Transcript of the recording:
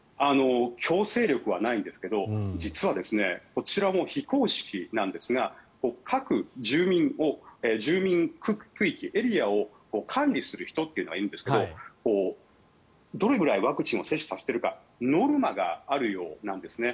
強制力はないですが実はこちらも非公式ですが各住民を、住民区域、エリアを管理する人がいるんですがどれぐらいワクチン接種をさせているかノルマがあるようなんですね。